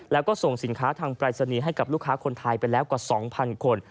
แล้วก็ส่งสินค้าทางปรายศนีย์ให้กับลูกค้าคนไทยไปแล้วกว่า๒๐๐คน